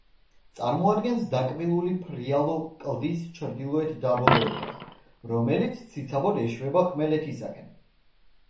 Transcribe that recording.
წარმოადგენს დაკბილული ფრიალო კლდის ჩრდილოეთ დაბოლოებას, რომელიც ციცაბოდ ეშვება ხმელეთისაკენ.